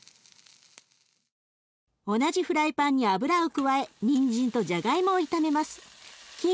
同じフライパンに油を加えにんじんとじゃがいもを炒めます。